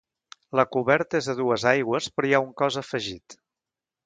La coberta és a dues aigües, però hi ha un cos afegit.